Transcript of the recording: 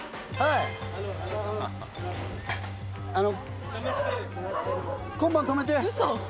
あの。